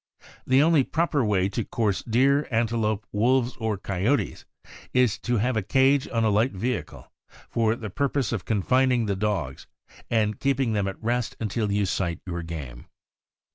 The only proper way to course deer, ante lopes, wolves, or coyotes is to have a cage on a light vehicle, for the purpose of confining the dogs and keeping them at rest until you sight your game.